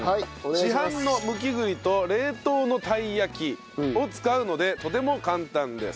市販の剥き栗と冷凍のたい焼きを使うのでとても簡単です。